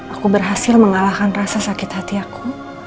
aku berhasil mengalahkan rasa sakit hati aku